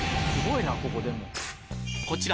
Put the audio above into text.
こちら